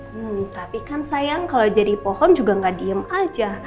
hmm tapi kan sayang kalau jadi pohon juga nggak diem aja